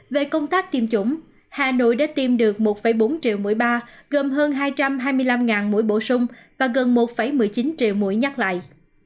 về công tác tiêm chủng hà nội đã tiêm được một bốn triệu mũi ba gồm hơn hai trăm hai mươi năm mũi bổ sung và gần một một mươi chín triệu mũi nhắc lại